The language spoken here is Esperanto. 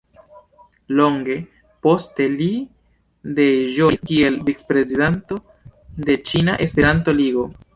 Longe poste li deĵoris kiel vicprezidanto de Ĉina Esperanto-Ligo.